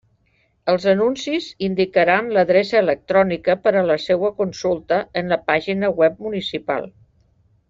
Els anuncis indicaran l'adreça electrònica per a la seua consulta en la pàgina web municipal.